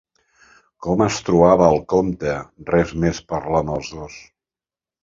Com es trobava el comte res més parlar amb els dos?